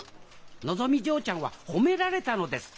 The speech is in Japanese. のぞみ嬢ちゃんは褒められたのです。